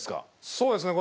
そうですね